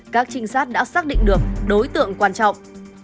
các trinh sát đã xác định được đối tượng quan trọng